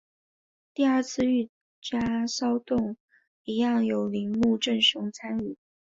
第二次御家骚动一样有铃木正雄参与。